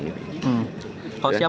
kalau siap kalahnya